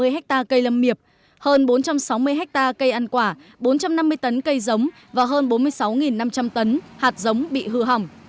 bốn trăm bảy mươi ha cây lâm miệp hơn bốn trăm sáu mươi ha cây ăn quả bốn trăm năm mươi tấn cây giống và hơn bốn mươi sáu năm trăm linh tấn hạt giống bị hư hỏng